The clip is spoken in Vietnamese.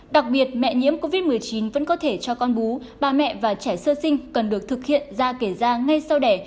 đặc biệt mẹ nhiễm covid một mươi chín vẫn có thể cho con bú bà mẹ và trẻ sơ sinh cần được thực hiện ra kể ra ngay sau đẻ